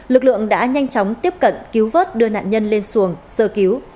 lực lượng đã nhanh chóng tiếp cận cứu vớt đưa nạn nhân lên xuồng sơ cứu